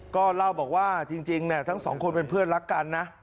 ก็เล่าบอกว่าจริงทั้งสองคนเป็นเพื่อนรักกันนะ